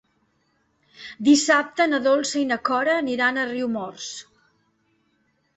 Dissabte na Dolça i na Cora aniran a Riumors.